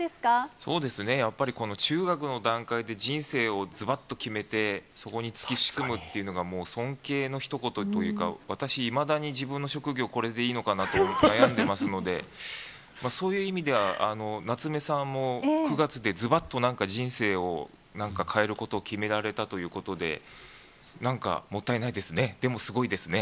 そうですね、やっぱりこの中学の段階で人生をずばっと決めて、そこに突き進むっていうのが、もう尊敬のひと言というか、私、いまだに自分の職業、これでいいのかな？と思って悩んでますので、そういう意味では、夏目さんも、９月でずばっと、なんか人生をなんか、変えることを決められたということで、なんかもったいないですね。